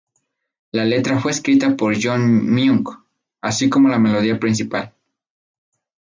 La letra fue escrita por John Myung, así como la melodía principal.